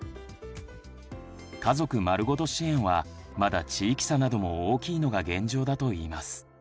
「家族まるごと支援」はまだ地域差なども大きいのが現状だといいます。